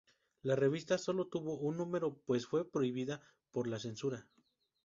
La revista sólo tuvo un número, pues fue prohibida por la censura.